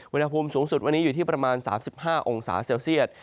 อุณหภูมิสูงสุดวันนี้อยู่ที่ประมาณ๓๕องศาเซลเซียต